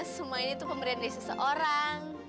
semua ini tuh pemberian dari seseorang